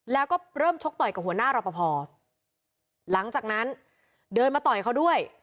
แล้วก็เริ่มชกต่อยกับหัวหน้ารอปภหลังจากนั้นเดินมาต่อยเขาด้วย